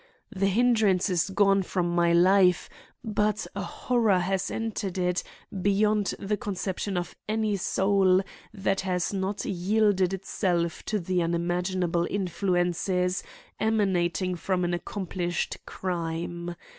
The hindrance is gone from my life, but a horror has entered it beyond the conception of any soul that has not yielded itself to the unimaginable influences emanating from an accomplished crime.